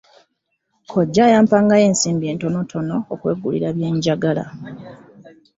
Kojja yampangayo ensimbi entonotono okwegulira bye njagala.